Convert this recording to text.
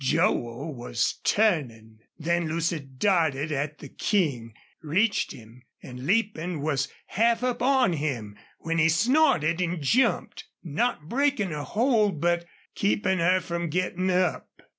Joel was turning. Then Lucy darted at the King, reached him, and, leaping, was half up on him when he snorted and jumped, not breaking her hold, but keeping her from getting up.